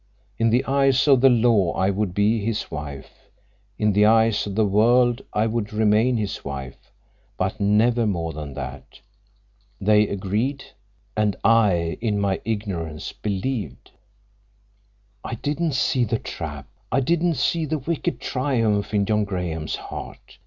In the eyes of the law I would be his wife; in the eyes of the world I would remain his wife—but never more than that. They agreed, and I in my ignorance believed. "I didn't see the trap. I didn't see the wicked triumph in John Graham's heart.